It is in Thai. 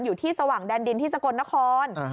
อยู่ที่สว่างแดนดินที่สกลนคร